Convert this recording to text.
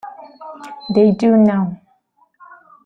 They do now.